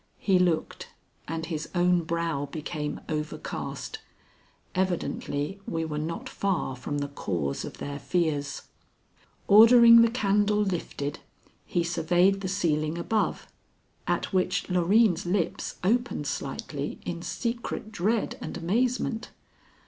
He looked, and his own brow became overcast. Evidently we were not far from the cause of their fears. Ordering the candle lifted, he surveyed the ceiling above, at which Loreen's lips opened slightly in secret dread and amazement.